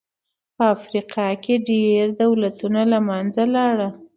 په افریقا کې ډېری دولتونه له منځه لاړل.